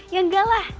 ya enggak lah